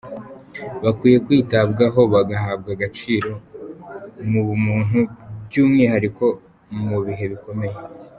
Bakwiye kwitabwaho bagahabwa agaciro, mu bumuntu, by’umwihariko mu bihe bikomeye.